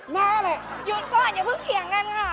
หน้าเลยหยุดก่อนอย่าเพิ่งเถียงกันค่ะ